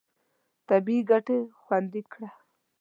طبیعي ګټې خوندي کړه.